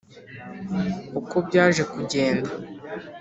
Uko byaje kugenda